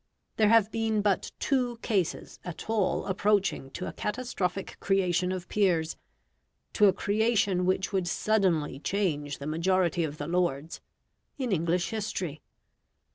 There have been but two cases at all approaching to a catastrophic creation of peers to a creation which would suddenly change the majority of the Lords in English history.